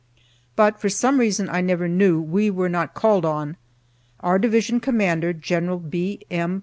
But for some reason that I never knew, we were not called on. Our division commander, General B. M.